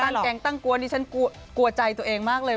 ก็ต้องการแต้งตั้งกวนนี่ฉันกลัวใจตัวเองมากเลย